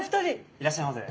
いらっしゃいませ。